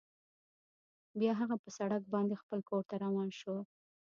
بیا هغه په سړک باندې خپل کور ته روان شو